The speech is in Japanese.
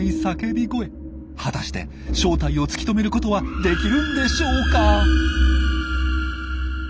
果たして正体を突き止めることはできるんでしょうか？